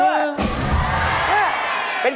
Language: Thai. ฮัลโหล